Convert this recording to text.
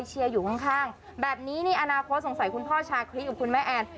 อยู่ข้างแบบนี้นี่อนาคตสงสัยคุณพ่อชาคริสกับคุณแม่แอน